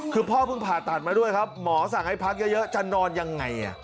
คือพ่อเพิ่งผ่าตัดมาด้วยครับหมอสั่งให้พักเยอะจะนอนยังไง